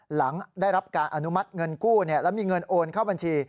หลังได้รับการอนุมัติเงินกู้แล้วมีเงินโอนเข้าบัญชี